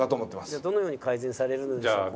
「じゃあどのように改善されるのでしょうか？」。